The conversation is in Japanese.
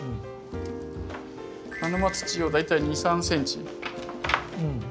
鹿沼土を大体２３ｃｍ。